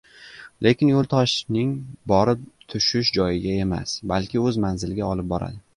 Lekin yo‘l toshning borib tushish joyiga emas, balki o‘z manziliga olib boradi.